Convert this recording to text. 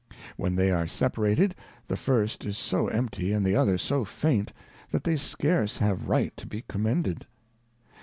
When they are separated, the first is so enipty, and the other^ so faint, that they scarce have right to be commended.